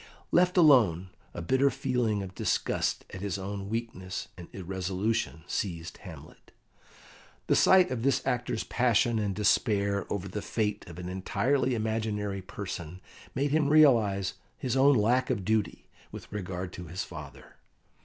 Left alone, a bitter feeling of disgust at his own weakness and irresolution seized Hamlet. The sight of this actor's passion and despair over the fate of an entirely imaginary person made him realise his own lack of duty with regard to his father.